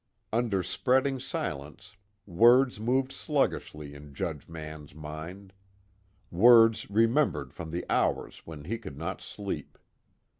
Under spreading silence, words moved sluggishly in Judge Mann's mind words remembered from the hours when he could not sleep.